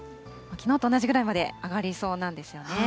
きのうと同じぐらいまで上がりそうなんですよね。